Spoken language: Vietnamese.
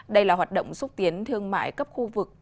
đây là hoạt động xúc tiến thương mại cấp khu vực